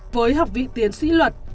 với học vị tiến sĩ luật